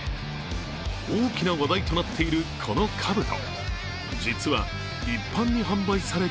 大きな話題となっている、このかぶと。